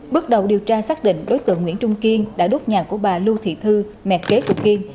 bước đầu điều tra xác định đối tượng nguyễn trung kiên đã đốt nhà của bà lưu thị thư mẹ kế thuộc kiên